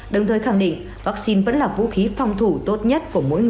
đồng thời khẳng định vaccine vẫn là vũ khí phòng thủ tốt nhất